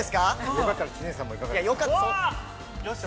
◆よかったら知念さんもいかがですか。